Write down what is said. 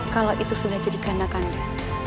kalau itu sudah jadi kehendak kanda